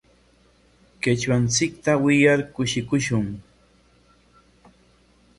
Qichwanchikta wiyar kushikushun.